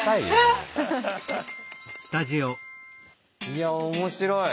いや面白い。